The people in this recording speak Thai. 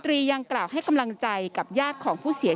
มีการต่อไปด้วยนะครับหลังจากหลังจากนายพุทธครับ